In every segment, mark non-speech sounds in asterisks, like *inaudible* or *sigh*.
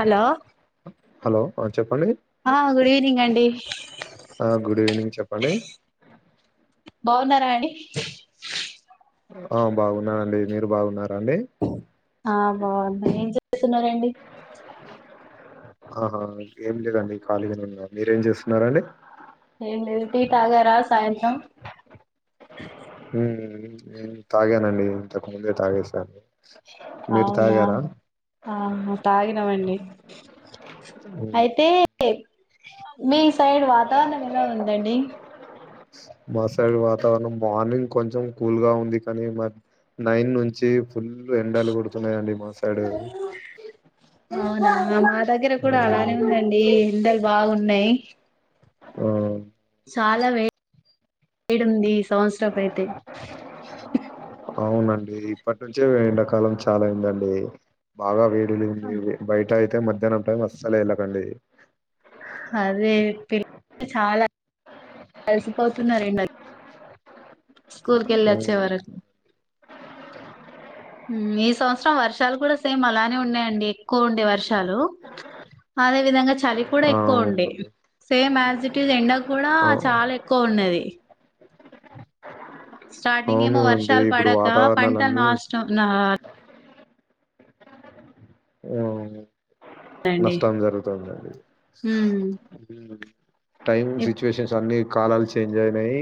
Hello hello చెప్పండి ఆ good evening అండి ఆ గుడ్ ఈవనింగ్ చె పండి బాగున్నారా అండి ఆ బాగున్నా అండి మీరు బాగున్నారా అండి ఆ బాగున్నా ఏం చేస్తున్నారండి ఆహా ఏం లేదండి ఖాళీగానే ఉన్నా మీరేం చేస్తున్నారండి ఏం లేదు టీ తాగారా సాయంత్రం మ్మ్ *inaudible* తాగానండి. ఇంతకు ముందే తాగేసాను. మీరు అవునా తాగారా ఆ తాగినమండి హ్మ్ అయితే మీస్ సైడ్ వాతావరణం ఎలా ఉందండి. మా సైడ్ వాతావరణం మార్నింగ్ కొంచెం కూల్గా ఉంది కానీ. మ నైన్ నుంచి ఫుల్ ఎండాలు కొడుతున్నాయండి మా సైడ్. అవునా మా దగ్గర కూడా ఆ అలానే ఉందండి. ఎండలు బాగున్నాయ్ అవున్ చాలా వేడ్ వేడుంది. స్ సంవత్సరపు అయితే డి ఇప్పటి నుంచే ఎండాకాలం చాలా అయిందండి. బాగా వేడ్ *unintelligible* బయట అ తే మధ్యాహ్నం టైం అస్సాల ఎల్లకండి. అదే పిల్లలు చాలా అలిసిపోతున్నారెండకి. స్కూల్కెళ్ళొచ్చే ఉమ్, వరక్ మ్మ్ ఈ సంవత్సరం వర్షాలు కూడా సేమ్ అలానే ఉన్నాయండి. ఎక్కువ ఉండే వర్షాలు అదే విధంగా చ్ చలి కూడా ఎక్కువ ఉండే. అవునండి సేమ్ యాజ్ ట్ టీజ్ ఎండక్ గూడా చాలా ఎక్కువ ఉన్నది. స్టార్టింగ్ అవును ఏమో అండి వర్షాల్ ఇప్పుడు పడక పంటల్ వాతావరణాలన్నీ నాశ్నం నా ఏముండద్ అండి నష్టం జరుగుతందాండి ఉమ్ హ్మ్ టైం ఇప్ సిట్యువేషన్స్ అన్ని కాలాలు చేంజ్ అయినాయి.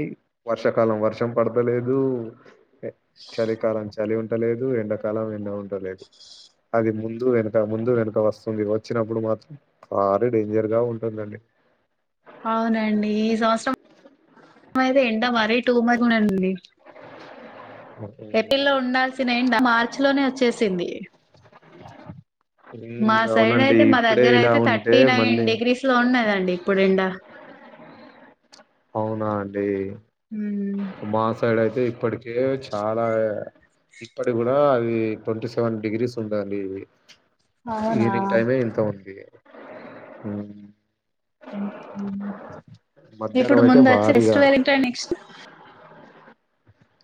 వర్షాకాలం, వర్షం పడతలేదు. ఏ చలి కాలం చ్ చలి ఉంటలేదు, ఎండాకాలం ఎండ ఉండలేదు. అది ముంద్ ముందు వెనుక, ముందు వెనుక వస్తుంది. వచ్చినప్పుడు మాత్రం మారీ డేంజర్ గా ఉంటుందండి. అవునండి. ఈ సంవత్సరం అయితే ఎంట మరీ టూ మచ్గుందండి. ఏపేల్ ఉమ్. లో ఉండాల్సిన ఏండా మార్చి లోనే వచ్చేసింది. ఉమ్ మా సైడ్ అవునండి అయితే మా ఇప్పుడే దగ్గర ఇలా అయితే ఉంటే థర్టీ మళ్ళీ నైన్ డిగ్రీస్ లో ఉన్నాదండి. ఇప్పుడు ఎండా అవునా అండి ఉమ్ మా సైడ్ అయిత్ తే ఇప్పటికే చాలా ఇప్పటి గూడా అది ట్వంటీ సెవెన్ డిగ్రీస్ ఉందండి. ఈ అవునా ఈవినింగ్ టైమే ఇంత ఉంది. హ్మ్ హ్మ్ హు మధ్యాహ్నం ఇప్పుడు అయితే ముందచ్చే భారీగా ఫెస్టివల్ ఏంట నెక్స్ట్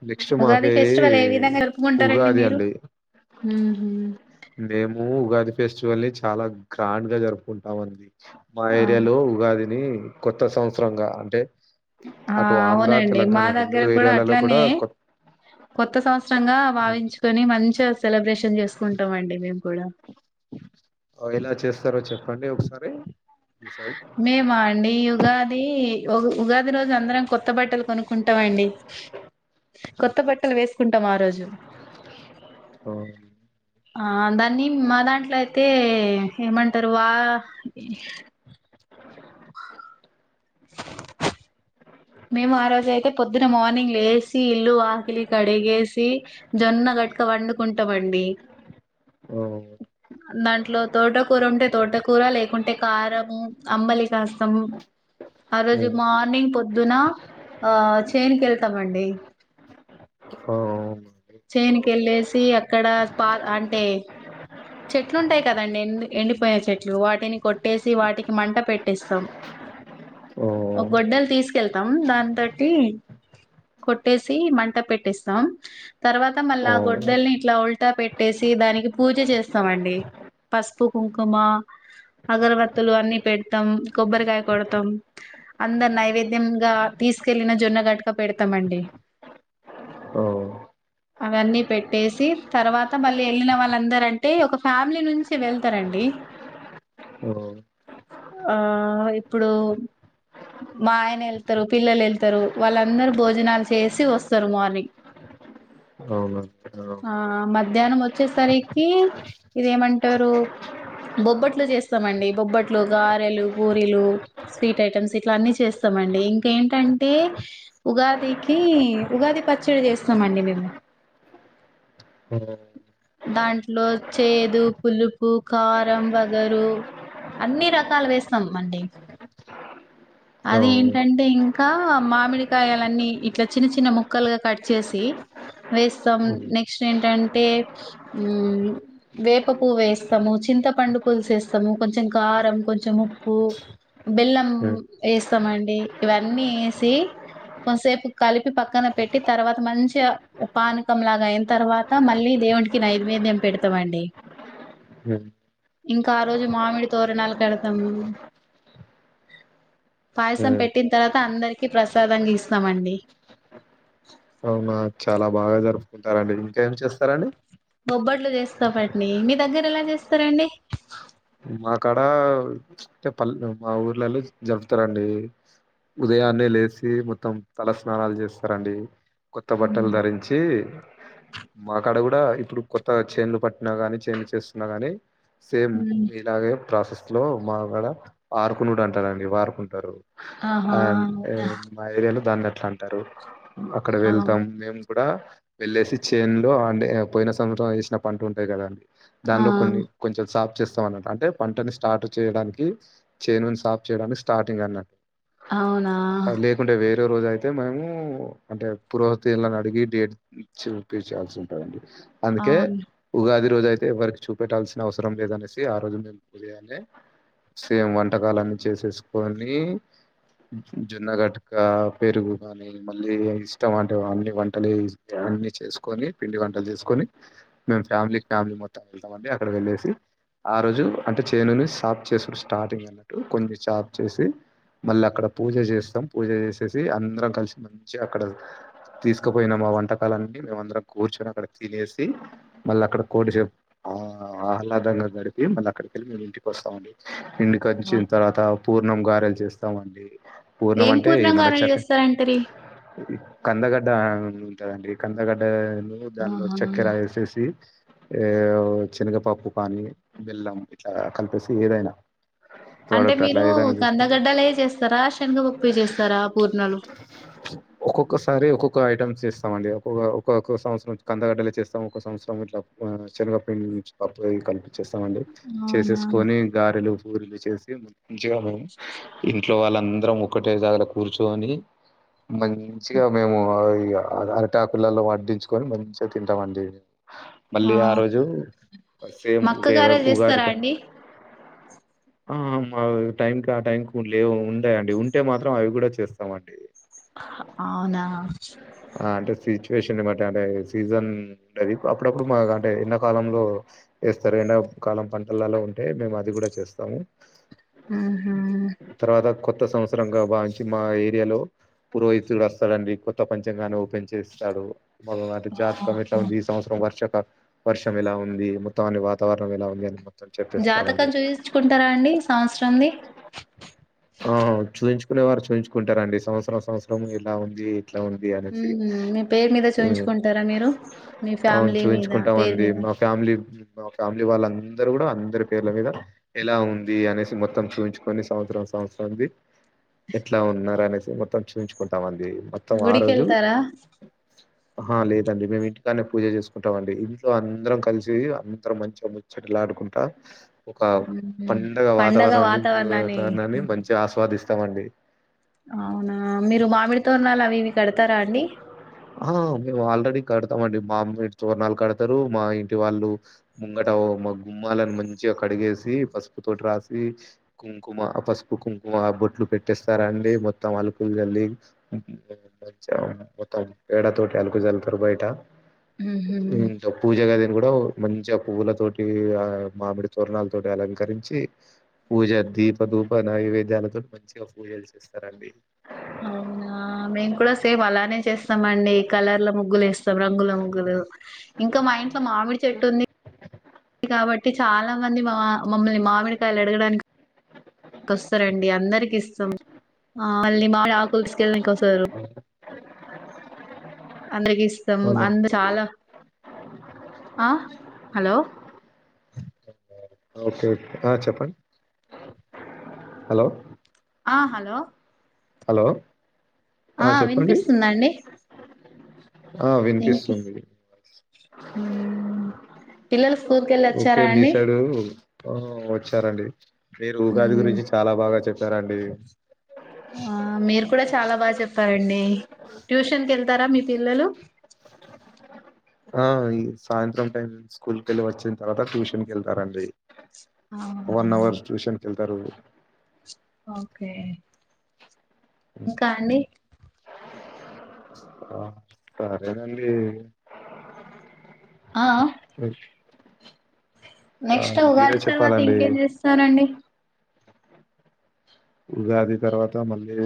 నెక్స్ట్ ఉగాది మాకి ఫెస్టివల్ ఏ విధంగా జరుపుకుంటారండి ఉగాది మీరు అండి ఊహు మేము ఉగాది ఫెస్టివల్ ని చాలా గ్రాండ్ గా జరుపుకుంటాము అండి మా ఆ ఏరియాలో ఉగాదిని కొత్త సంవత్సరంగా అంటే ఆ అటు ఆంధ్ర అవునండి మా తెలంగాణ రెండు దగ్గర కూడా ఏరియాలలో అట్లానే కొ కొత్త సంవ స్తరంగా భావించుకొని మంచిగా సెలబ్రేషన్ చేసుకుంటాం అండి మేము కూడా ఎలా చేస్తారో చెప్పండి ఒకసారి చూసారు మే మా అండి యుగాది ఉగాది రోజు అందరం కొత్త బట్టలు కొనుక్కుంటాం అండి కొత్త బట్టలు వేసుకుంటాం ఆ రోజు ఓ ఆ దాన్ని మా దాంట్లో అయితే ఏమంటారు వా ఆ *inaudible* మేము ఆ రోజు అయితే పొద్దున మార్నింగ్ లేసి ఇల్లు వాకిలి కడిగేసి జొన్న గట్క వండుకుంటామండి దాంట్లో తోటకూర ఉంటే తోటకూర లేకుంటే కారము అంబలి కాస్తం అ రోజు మార్నింగ్ పొద్ పొద్దున ఆ చేన్ కి ఎళ్తామండి చేన్ కి ఎళ్ళేసి అక్కడ పా అంటే చెట్లు ఉంటాయి కదండి ఎ ఎండిపోయిన చెట్లు వాటిని కొట్టేసి వాటికి మంట పెట్టిస్తాం ఒక గొడ్డలు తీసుకెళ్తాం దాని తోటి కొట్టేసి మంట పెట్టిస్తాం తర్వాత మళ్ళా ఆ గొడ్డల్ని ఇట్లా ఉల్టా పెట్టేసి దానికి పూజ చేస్ స్తాం అండి పసుపు కుంకుమ అగరబత్తులు అన్ని పెడతాం కొబ్బరికాయ కొడతాం అందరు నైవేద్యంగా తీసుకెళ్ళిన జొన్న గట్టక పెడతాం అండి అవన్నీ పెట్టేసి తర్వాత మళ్ళీ ఎళ్ళిన వాళ్ళందరు అంటే ఒక ఫ్యామిలీ నుంచి వెళ్తరండి ఆ ఇప్పుడు మా ఆయన ఎళ్తారు పిల్లలు ఎళ్తారు వాళ్ళందరూ భోజనాలు చేసి వస్తారు మార్నింగ్ అవున అక్క ఆ మధ్యానం వచ్చేసరికి ఇదేమంటారు బొబ్బట్లు చేస్తామండి బొబ్బట్లు గారెలు పూరీలు స్వీట్ ఐటమ్స్ ఇట్ల అన్నీ చేస్తామండి ఇంకేంటంటే ఉగాదికి ఉగాది పచ్చడి చేస్తామండి మేము దాంట్లో చేదు పులుపు కారం ఒగరు అన్ని రకాలు వేస్తాం అండి అది ఏంటంటే ఇంకా మామిడికాయలన్ని ఇట్లా చిన్న చిన్న ముక్కలుగా కట్ చేసి వేస్తాం నెక్స్ట్ ఏంటంటే వేప పూవు వేస్తాము చింతపండు పులుస వేస్తాము కొంచెం కారం కొంచెం ఉప్పు బెల్లం ఏస్తామండి ఇవన్నీ ఏసి కొంతసేపు కలిపి పక్కన పెట్టి తర్వాత మంచిగా పానకంలాగా అయిన తర్వాత మళ్ళీ దేవు కి నైవేద్యం పెడతామండి ఇంకా ఆ రోజు మామిడి తోరణాలు కడతామ్ పాయసం పెట్టిన తర్వాత అందరికి ప్రసాదం గీస్తామండి అవునా చాలా బాగా జరుపుకుంటారండి ఇంకేం చేస్తారండి బొబ్బట్లు జేస్తాం అండి మీ దగ్గర ఎలా చేస్తారండి మాకాడ పల్ మా ఊర్లలో జరుపుతారండి ఉదయాన్నే లేసి మొత్తం తల స్నానాలు చేస్తారండి కొత్త బట్టలు ధరించి మాకాడ గూడా ఇప్పుడు కొత్త చేడ్లు పట్టినా గానీ చేడ్లు చేస్తున్నా గానీ సేమ్ అదే ప్రాసెస్ లో మాగాడ ఆరుకునుడు అంటారండి వారుకుంటారు ఆహా అంటే మా ఏరియాలో దాన్ సంతారు అక్కడ అవునా వెళ్తాం మేము కూడా వెళ్ళేసి చేన్ లో అందే పోయిన సమత్సరం వేసిన పంట ఉంటాయి కదా అండి ఆ దానిలో కొన్ని కొంచెం సా అంటే పంటని స్టార్ట్ చేయడానికి చేనుని సాఫ్ చేయడానికి స్టార్టింగ్ అన్నట్టు ఆ అవునా అది లేకుంటే వేరే రోజు అయితే అయితే మేము అంటే పురోహతి ఇలను అడిగి డేట్ చూపించయాల్సి ఉంటదండి అందుకే అవును ఉగాది ఈరోజు అయితే వర్క్ చూపెట్టాల్సిన అవసరం లేదనేసి ఆ రోజు మేము పూజయి సేమ్ వంటకలున్ని చేసేసుకొని జొన్నగట్క పెరుగు కాని మళ్ళీ ఇష్టం అంటే అన్ని వంటలు అన్ని చేసుకొని పిండి వంటలు చేసుకొని మేము ఫ్యామిలీ ఫ్యామిలీ మొత్తం వెళ్తామ అండి అక్కడ వెళ్ళసి ఆ రోజు అంటే చేనుని సాప్ చేసడు స్టార్టింగ్ అన్నట్టు కొంచెం చాఫ చేసి మళ్ళీ అక్కడ పూజ చేస్తాం పూజ చేసేసి అందరం కలిసి మంచిగా అక్కడ తీసుకుపోయిన మా వంటకాలన్నీ మేముందరం కూర్చొని అక్కడ తినేసి మళ్ళీ అక్కడ కోడిసేపు ఆ ఆహ్లాదంగా గడిపి మళ్ళీ అక్కడినుండి మేము ఇంటికి వస్తామండి ఇండికొచ్చిన తర్వాత పూర్ణం గారెలు చేస్త స్తే మండి ఏం పూర్ణం గారెలు చేస్తారంటరి కందగడ్డ ఉంటదండి కందగడ్డ దానిలో ఆహా చక్కెర వేసేసి ఆ చనగపప్పు పానీ బెల్లం ఇట్లా కలిపేసి ఏదైనా అంటే ప్రోడక్ట్ అట్లా మీరు ఏదైనా తీసుకొని కందగడ్డాల చేస్తారా శనగపప్ప చేస్తారా పూర్ణలు ఒ ఐటమ్స్ చేస్తాం అండి ఒక్కొక్క సంవత్సరం కందగడ్డలే చేస్తాం ఒక సంవత్సరం ఇట్ శనగ పిండించి పప్పు కపి చేేస్తామండి అవునా చేసేసుకొని గారెలు బూర్లు చేసి మంచిగా ఇం ఇంట్లో వాళ్ళందరం ఒకటే జాగలో కూర్చుని మంచిగా మేము అరటాకులలో వడ్డించుకొని మరించిగా తింటామండి మళ్ళీ ఆ రోజు సేమ్ కొత్త ఉగ గారెలు ఉగాది చేస్తారా ప అండి ఆ మా టైంకి ఆ టైం కు లే ఉన్నాయండి ఉంటే మాత్రం అవి కూడా చేస్తామండి అవునా అంటే సిచ్యువేషన్ బట్టి అంటే సీజన్ ఉంటది అప్పుడప్పుడు మాకు అంటే ఎన్నకాలంలో సరైన కాలం పంటలలో ఉంటే మేము అది కూడా చేస్తాము ఆహ తర్వాత కొత్త సంవత్సరంగా భావించి మా ఏరియాలో పురోహితుడు వస్తాడండీ కొత్త పంచంగాన్ని ఓపెన్ చేస్తాడు మొదటి జాతకం ఎట్లా ఉంది ఈ సంవత్సరం వర్ష వర్షం ఇలా ఉంది మొత్తం అన్ని వాత వాతవరణ ఎలా ఉంది మొత్తం చెప్పేస్తాడండి జాతకం చూయించుకుంటార అండి ఈ సంవత్సరం ది ఆ చూ చూయించుకునే వారు చూయించుకుంటారండి సంవత్సరం సంవత్సరం ఎలా ఉంది ఇట్లా ఉంది హు అనేసి. మీ పేరు మీద హ్మ్. చూయించుకుంటారా మీరు మీ అవును. ఫ్యామిలీ మీద పేరు చూయించుకుంటామండి. మీద మా ఫ్యామిలీ మా ఫ్యామిలీ వాళ్ళందరు కూడా అందరి పేర్ల మీద ఎలా ఉంది అనేసి మొత్తం చూయించుకొని సంవత్సరం సం సంవత్సరం ది ఎట్లా ఉన్నారు అనేసి మోత్తం చూంచుకుంటాం అం గుడికి ఏళ్లుతార ఆహా లేదండి మేము ఇంటికానే పూజ చేసుకుంటాం అండి ఇంట్లో అందరం కలిసి అందరం మంచిగా ముచ్చట్లు ఆడుకుంటా ఒక పండగ వాతావరణాన్ని భూ వాతావరణాన్ని మంచి ఆస్వాది ఇస్తమండి అవునా మీరు మామిడితోరణాలు అవి ఇవి కడతారా అండి ఆ మేము ఆల్రెడీ కడతాము అండి మామిడి తోరణాలు కడతారు మా ఇంటి వాళ్ళు ముంగట ఓ మా గుమ్మాలని మంచిగా కడిగేసి పసుపు తోటి రాసి కుంకుమ పసుపు కుంకుమ బొట్లు పెట్టేస్తారా అండి మొత్తం అలుకులు చల్లి *inaudible* మొత్తం పేడ తోటి అలుకు జల్లుతారు బయట ఇంకా పూజ గదీని కూడా మంచిగా పువ్వుల తోటి ఆ మామిడి తోరణాల తోటి అలంకరించి పూజ దీప దూప నైవేద్యాలతో మంచిగా పూజలు చేస్తారండి అవునా మేము కూడా సేమ్ అలానే చేస్తా ఎస్తాంమండి కలర్ లా ముగ్గులు వేస్తాం రంగుల ముగ్గులు ఇంకా మా ఇంట్లో మామిడి చెట్టు ఉంది కాబట్టి చాలా మంది మా మమ్మల్ని మామిడి కాయలు అడగడానికి వస్తారండి అందరికి ఇస్తాం మళ్ళి మామిడి ఆకులు తీసుకెళ్ళి నీకి వస్త వస్తారు అందరికి ఇస్తాం అందు అవునండి. చాలా ఆహ హలో ఓకే చెప్పండి హలో ఆ హలో హలో ఆ వినిపిస్తుందండి ఆ! ఏంటి వినిపిస్తుంది. హు పిల్లలు స్కూల్ కి కెళ్ళి వచ్చారా అండి ఓ వచ్చారండి మీరు ఉగాది మ్మ్ గురించి చాలా బాగా చేప సరే అండి ఆ మీరు కూడా చాలా బాగా చెప్పారండి ట్యూషన్కి వెళ్తారా మీ పిల్లలు ఆ ఈ సాయంత్రం టైం స్కూల్ కెళ్ళి వచ్చిన తర్వాత ట్యూషన్ కేళ్తారండి అవునా యెల్తారు ఓకే ఇంకా అండి ఆ సరేనండి ఆ ఆ ఆ! నెక్స్ట్ మీరే ఉగాది తర్వాత చెప్పాలండి. ఇంకేం చేస్తారండి ఉగాది తర్వాత మళ్ళీ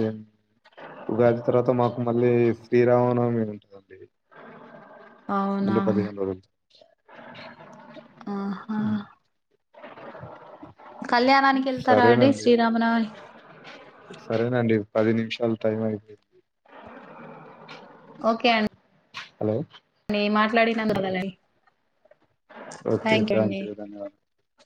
ఉగాది తర్వాత మాకు మళ్ళీ శ్రీరామనవమి ఉంటదండి అవునా మళ్ళీ పదె ఆలోవిల్చు ఆహా ఉ కళ్యాణానికి ఎళ్తారా అండి సరేనండి. శ్రీరామనవమి సరేనండి పది నిమిషాలు టైం అయిపోయింది ఓకేఅం హలో! అండి మాట్లాడినము గలై ఓకే. థ్యాంక్ యూ అండి థాంక్ ధన్యవాదాలు.